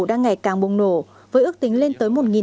đang ngày càng bùng nổ với ước tính lên tới